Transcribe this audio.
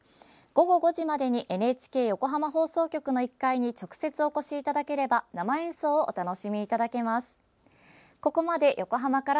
午後５時までにＮＨＫ横浜放送局の１階に直接お越しいただければ生演奏をお楽しみいただけます。